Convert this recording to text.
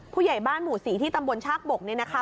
ผู้ใหญ่บ้านหมู่๔ที่ตำบลชากบกเนี่ยนะคะ